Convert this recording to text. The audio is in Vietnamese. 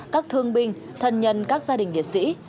các thương binh thân nhân các gia đình liệt sĩ